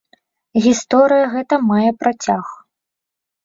Гісторыя гэта мае працяг.